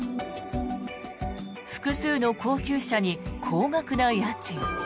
複数の高級車に高額な家賃。